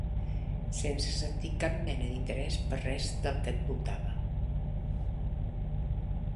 Sense sentir cap mena d'interès per res del que et voltava.